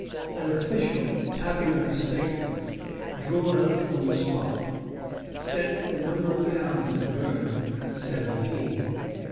An official tabular statement, drawn up on the spot, sets the number of houses burned at seventeen.